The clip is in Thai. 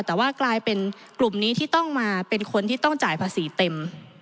แต่ว่ากลายเป็นกลุ่มนี้ที่ต้องมาเป็นคนที่ต้องจ่ายภาษีเต็ม